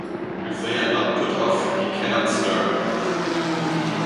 If they are not put off, he cannot stir.